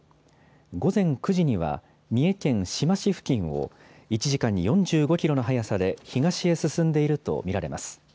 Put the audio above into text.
午前９時には、三重県志摩市付近を、１時間に４５キロの速さで東へ進んでいると見られます。